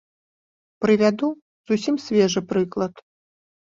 Прывяду зусім свежы прыклад.